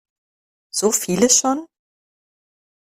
So viele schon?